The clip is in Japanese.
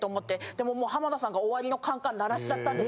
でももう浜田さんが終わりのカンカン鳴らしちゃったんですよ。